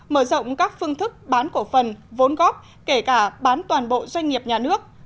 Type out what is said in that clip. mở rộng các phương thức bán cổ phần vốn góp kể cả bán toàn bộ doanh nghiệp nhà nước